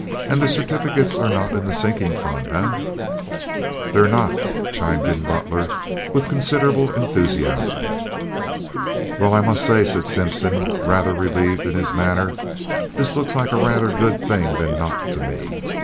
And the certificates are not in the sinking fund, eh?" "They're not," chimed in Butler, with considerable enthusiasm. "Well, I must say," said Simpson, rather relieved in his manner, "this looks like a rather good thing than not to me.